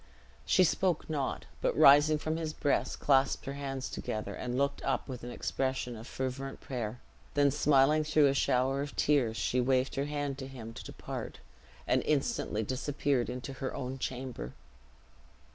She spoke not, but rising from his breast, clasped her hands together, and looked up with an expression of fervent prayer; then smiling through a shower of tears, she waved her hand to him to depart, and instantly disappeared into her own chamber.